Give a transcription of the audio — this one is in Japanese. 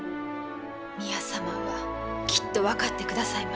宮様はきっと分かってくださいます。